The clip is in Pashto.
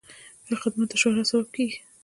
ښه خدمت د شهرت سبب کېږي.